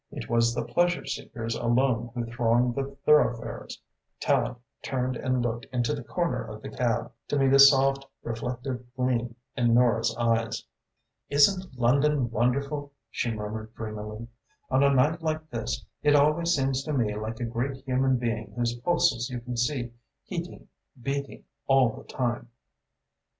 It was the pleasure seekers alone who thronged the thoroughfares. Tallente turned and looked into the corner of the cab, to meet a soft, reflective gleam in Nora's eyes. "Isn't London wonderful!" she murmured dreamily. "On a night like this it always seems to me like a great human being whose pulses you can see heating, beating all the time."